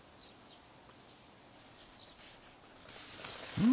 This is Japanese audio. うん？